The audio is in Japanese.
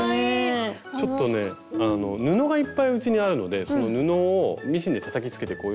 ちょっとね布がいっぱいうちにあるのでその布をミシンでたたきつけてこういう感じで。